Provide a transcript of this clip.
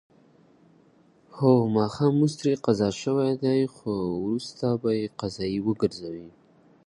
یوازې د ماښام لمونځ ترې په قضا کې پاتې شوی و.